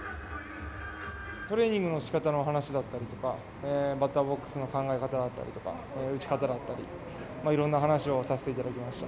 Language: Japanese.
トレーニングのしかたの話だったりとか、バッターボックスの考え方だったりとか、打ち方だったり、いろんな話をさせていただきました。